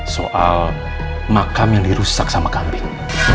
soal makam yang dirusak sama kambing